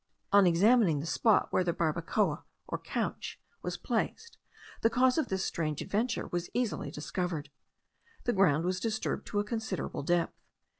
On examining the spot where the barbacoa, or couch, was placed, the cause of this strange adventure was easily discovered. The ground was disturbed to a considerable depth.